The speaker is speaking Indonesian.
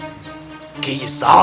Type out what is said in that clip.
buang buang waktu saja